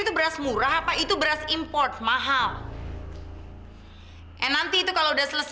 terima kasih ya aku mau ganti baju dulu